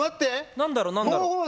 何だろう何だろう。